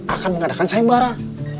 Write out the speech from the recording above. akan mengadakan saing barah